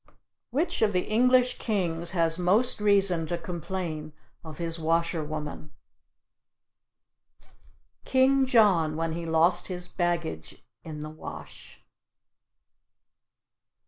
Which of the English kings has most reason to complain of his washer woman? King John, when he lost his baggage in the Wash.